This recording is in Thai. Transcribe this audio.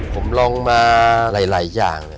ผมลองมาหลายอย่าง